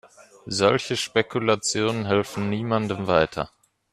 Solche Spekulationen helfen niemandem weiter.